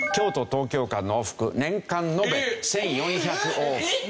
東京間の往復年間延べ１４００往復。